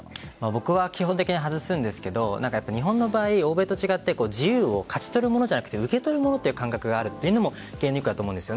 僕は基本的に外すんですけど日本の場合、欧米と違って自由を勝ち取るものじゃなくて受け取る方という感覚があるというのもネックだと思うんです。